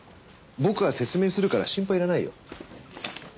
僕が説明するから心配いらないよ。